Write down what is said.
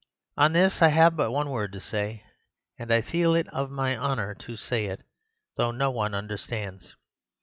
On this I have but one word to say, and I feel it of my honour to say it, though no one understands.